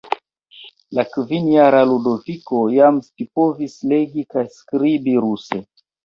La kvinjara Ludoviko jam scipovis legi kaj skribi ruse.